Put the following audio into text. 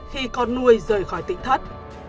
khi con nuôi rời khỏi tỉnh thất